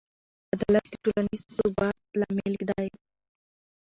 عدالت د ټولنیز ثبات لامل دی.